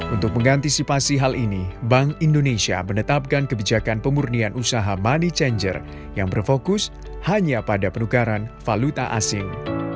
untuk mengantisipasi hal ini bank indonesia menetapkan kebijakan pemurnian usaha money changer yang berfokus hanya pada penukaran valuta asing